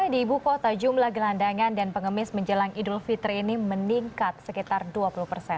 di ibu kota jumlah gelandangan dan pengemis menjelang idul fitri ini meningkat sekitar dua puluh persen